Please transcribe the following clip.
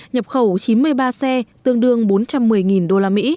nhập khẩu chín mươi ba xe tương đương bốn trăm một mươi usd